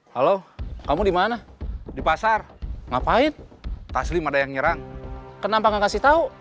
halo kamu dimana di pasar ngapain taslim ada yang nyerang kenapa gak kasih tau